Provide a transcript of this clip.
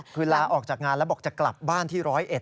คือลาออกจากงานแล้วบอกจะกลับบ้านที่๑๐๑